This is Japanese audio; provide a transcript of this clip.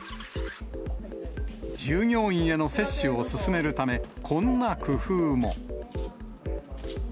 従業員への接種を進めるため、こんな工夫も。